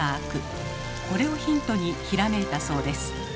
これをヒントにひらめいたそうです。